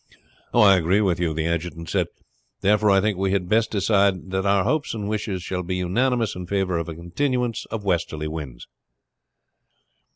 "I agree with you," the adjutant said. "Therefore I think we had best decide that our hopes and wishes shall be unanimous in favor of a continuance of westerly winds."